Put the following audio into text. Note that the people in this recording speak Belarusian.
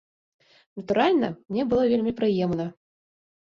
Натуральна, мне было вельмі прыемна.